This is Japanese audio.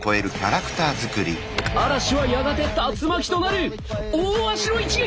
嵐はやがて竜巻となる大鷲の一撃！